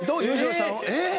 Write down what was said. えっ！？